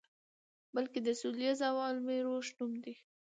بلکې د سولیز او علمي روش نوم دی.